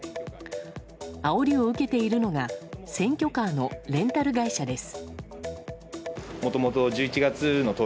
あおりを受けているのが選挙カーのレンタル会社です。